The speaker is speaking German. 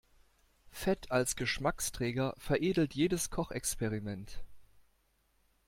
Fett als Geschmacksträger veredelt jedes Kochexperiment.